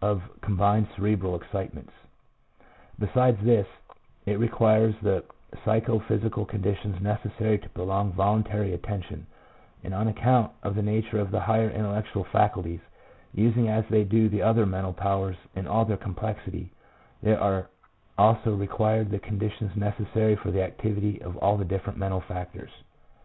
of combined cerebral excitements." 2 Besides this, it requires the psycho physical conditions necessary to prolonged voluntary attention, and on account of the nature of the higher intellectual facul ties, using as they do the other mental powers in all their complexity, there are also required the condi tions necessary for the activity of all the different mental factors.